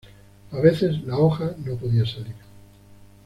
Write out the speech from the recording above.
A veces, la hoja no podía salir.